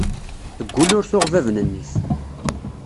Teggul ur tuɣ bab n nnif.